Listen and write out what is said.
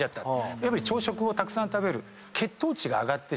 やっぱり朝食をたくさん食べる。